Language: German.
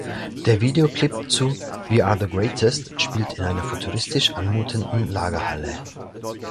Der Videoclip zu "We Are The Greatest" spielt in einer futuristisch anmutenden Lagerhalle.